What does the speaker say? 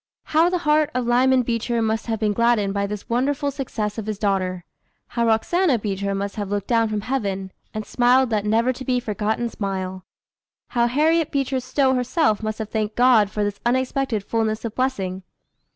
How the heart of Lyman Beecher must have been gladdened by this wonderful success of his daughter! How Roxana Beecher must have looked down from heaven, and smiled that never to be forgotten smile! How Harriet Beecher Stowe herself must have thanked God for this unexpected fulness of blessing!